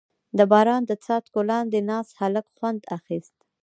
• د باران د څاڅکو لاندې ناست هلک خوند اخیست.